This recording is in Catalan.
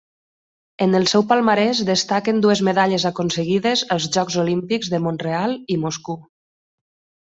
En el seu palmarès destaquen dues medalles aconseguides als Jocs Olímpics de Mont-real i Moscou.